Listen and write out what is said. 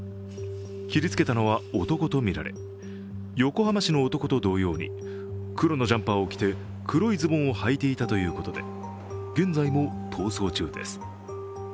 切りつけたのは男とみられ横浜市の男と同様に黒のジャンパーを着て、黒のズボンをはいていたということで、現在も逃走中です。